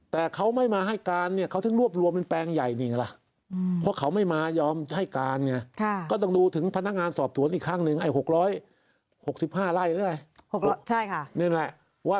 แต่เขาไม่มาให้การเขาถึงรวบรวมเป็นแปลงใหญ่นี่แหละ